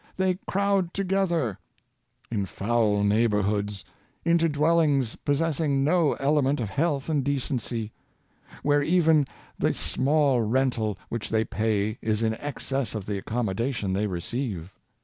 They crowd together, in foul neighborhoods, into dwell ings possessing no element of health and decency; where even the small rental which they pay is in excess of the accommodation they receive.